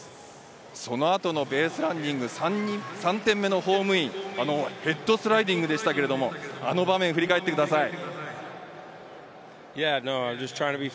その後のベースランニング、３点目のホームイン、ヘッドスライディングでしたけど、あの場面、振り返ってください。